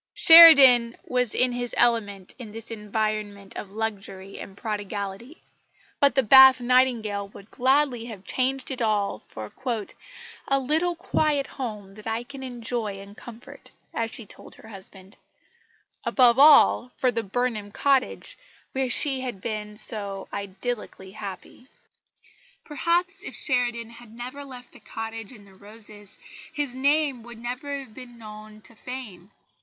Sheridan was in his element in this environment of luxury and prodigality; but the Bath Nightingale would gladly have changed it all for "a little quiet home that I can enjoy in comfort," as she told her husband above all, for the Burnham cottage where she had been so idyllically happy. Perhaps if Sheridan had never left the cottage and the roses, his name would never have been known to fame.